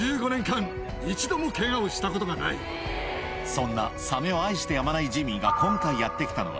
そんなサメを愛してやまないジミーが今回やって来たのは